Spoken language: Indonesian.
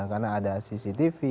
karena ada cctv